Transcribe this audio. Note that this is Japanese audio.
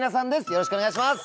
よろしくお願いします！